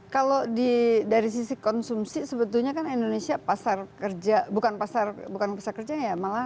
kalau dari sisi konsumsi sebetulnya kan indonesia pasar kerja bukan pasar bukan pasar kerja ya malah